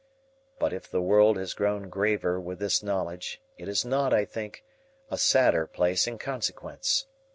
But if the world has grown graver with this knowledge it is not, I think, a sadder place in consequence.